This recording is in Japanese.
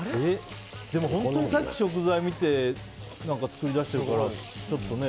でも本当にさっき食材を見て作り出してるから、ちょっとね。